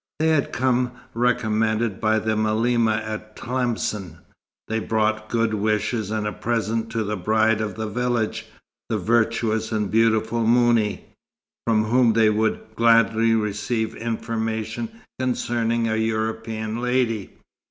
They had come recommended by the malema at Tlemcen. They brought good wishes and a present to the bride of the village, the virtuous and beautiful Mouni, from whom they would gladly receive information concerning a European lady.